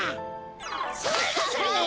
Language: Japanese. それそれっ！